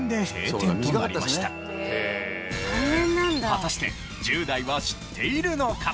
果たして１０代は知っているのか？